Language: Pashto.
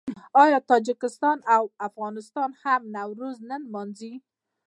آیا تاجکستان او افغانستان هم نوروز نه لمانځي؟